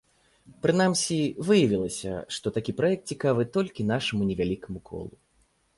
Прынамсі, выявілася, што такі праект цікавы толькі нашаму невялікаму колу.